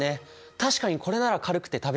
確かにこれなら軽くて食べやすい。